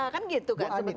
kan gitu kan sebetulnya